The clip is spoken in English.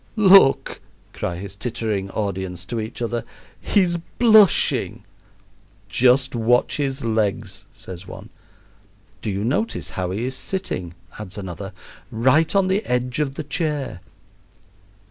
"Look," cry his tittering audience to each other; "he's blushing!" "Just watch his legs," says one. "Do you notice how he is sitting?" adds another: "right on the edge of the chair."